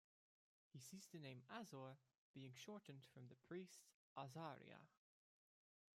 He sees the name Azor being a shortened from the priest Azariah.